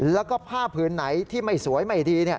แล้วก็ผ้าผืนไหนที่ไม่สวยไม่ดี